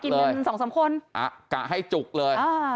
กัดเลยอ่ะกะให้จุกเลย